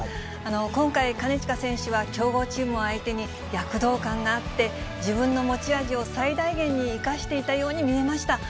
今回、金近選手は強豪チームを相手に、躍動感があって、自分の持ち味を最大限に生かしていたように見えました。